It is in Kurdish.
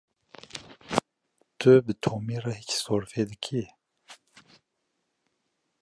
Tu bi Tomî re hîç sorfê dikî?